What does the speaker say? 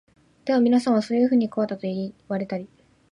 ではみなさんは、そういうふうに川だと云いわれたり、